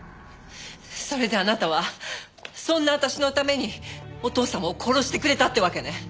それであなたはそんな私のためにお義父様を殺してくれたってわけね。